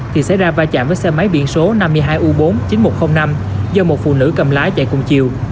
thì xảy ra va chạm với xe máy biển số năm mươi hai u bốn chín nghìn một trăm linh năm do một phụ nữ cầm lái chạy cùng chiều